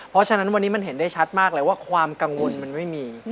เพราะฉะนั้นวันนี้มันเห็นได้ชัดมากเลยว่าความกังวลมันไม่มี